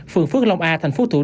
phường phước long a tp thủ đức